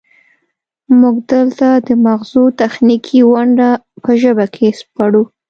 موږ دلته د مغزو تخنیکي ونډه په ژبه کې سپړو